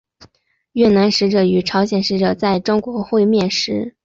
越南使者与朝鲜使者在中国会面时。